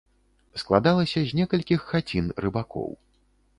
Складалася з некалькіх хацін рыбакоў.